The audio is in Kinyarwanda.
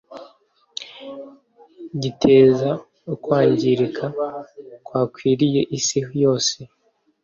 giteza ukwangirika kwakwiriye isi yose